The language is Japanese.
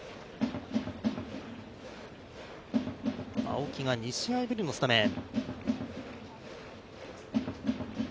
青木が２試合ぶりのスタメン。